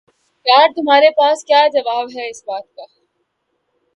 یار تمہارے پاس کیا جواب ہے اس بات کا